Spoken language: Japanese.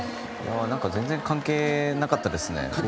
全然関係なかったですね。